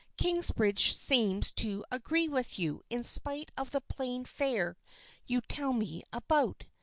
Kingsbridge seems to agree with you in spite of the plain fare you tell me about.